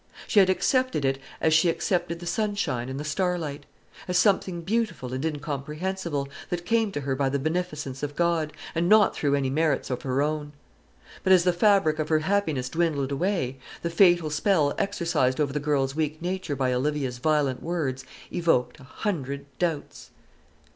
She had accepted it as she accepted the sunshine and the starlight as something beautiful and incomprehensible, that came to her by the beneficence of God, and not through any merits of her own. But as the fabric of her happiness dwindled away, the fatal spell exercised over the girl's weak nature by Olivia's violent words evoked a hundred doubts.